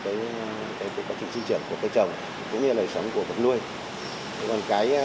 cái vụ phát triển sinh trường của cây trồng cũng như là sống của vật nuôi